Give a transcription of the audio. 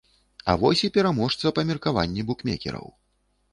А вось і пераможца па меркаванні букмекераў.